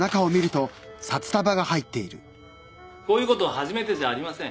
こういうことは初めてじゃありません。